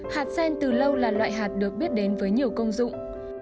hạt sen từ lâu là loại hạt được biết đến với nhiều công dụng